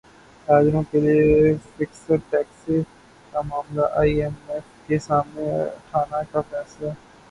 تاجروں کیلئے fixed tax کا معاملہ ائی ایم ایف کے سامنے اٹھانے کا فیصلہ